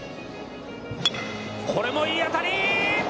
これもいい当たり。